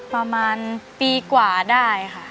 ประมาณปีกว่าได้ค่ะ